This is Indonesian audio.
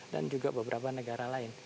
dan juga beberapa negara lain